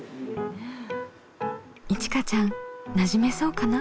いちかちゃんなじめそうかな？